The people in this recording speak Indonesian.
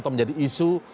atau menjadi isu